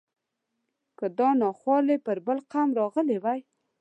که دا ناخوالې پر بل قوم راغلی وای.